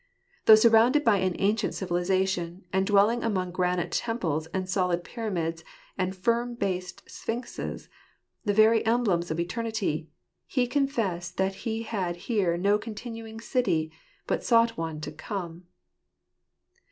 Though surrounded by an ancient civilization; and dwelling among granite temples and solid pyramids and firm based sphinxes, the very emblems of eternity; he confessed that he had here no continuing city, but sought one to come."